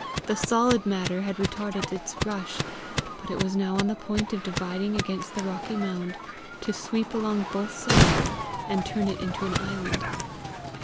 The solid matter had retarded its rush, but it was now on the point of dividing against the rocky mound, to sweep along both sides, and turn it into an island.